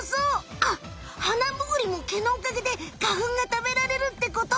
あっハナムグリも毛のおかげで花ふんが食べられるってこと！